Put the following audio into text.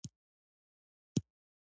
په آینده کې غواړي څه وکړي ؟